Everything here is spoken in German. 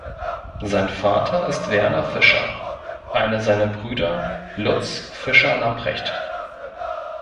Sein Vater ist Werner Fischer, einer seiner Brüder Lutz Fischer-Lamprecht.